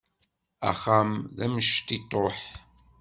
Axxam-a d amectiṭuḥ.